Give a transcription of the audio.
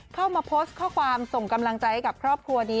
เข้ามาโพสต์ข้อความส่งกำลังใจให้กับครอบครัวนี้